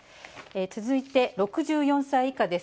続いて６４歳以下です。